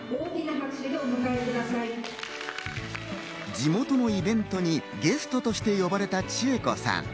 地元のイベントにゲストとして呼ばれた千恵子さん。